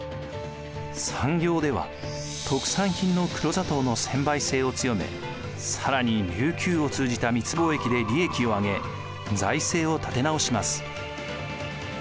産業では特産品の黒砂糖の専売制を強め更に琉球を通じた密貿易で利益を上げ財政を立て直します。